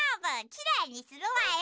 きれいにするわよ。